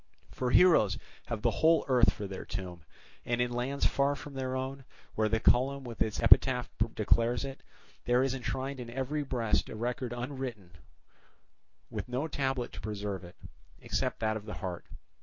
For heroes have the whole earth for their tomb; and in lands far from their own, where the column with its epitaph declares it, there is enshrined in every breast a record unwritten with no tablet to preserve it, except that of the heart.